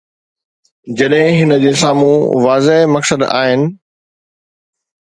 جڏهن هن جي سامهون واضح مقصد آهن.